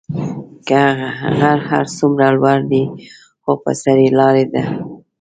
كه غر هر سومره لور دي خو به سر ئ لار دي.